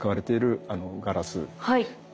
はい。